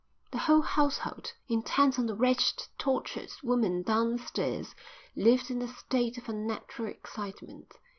The whole household, intent on the wretched, tortured woman downstairs, lived in a state of unnatural excitement.